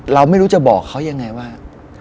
เราไม่รู้จะบอกเขายังไงว่า